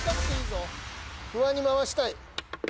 フワに回したい。